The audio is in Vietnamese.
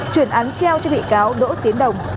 chuyển án treo cho bị cáo đỗ tiến đồng